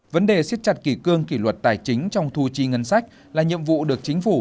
vấn đề siết chặt kỷ cương kỷ luật tài chính trong thu chi ngân sách là nhiệm vụ được chính phủ